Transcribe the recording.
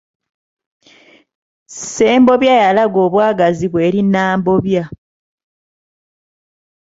Ssembobya yalaga obwagazi bwe eri Nambobya.